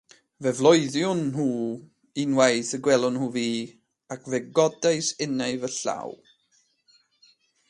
Fe floeddion nhw unwaith y gwelon nhw fi, ac fe godais innau fy llaw.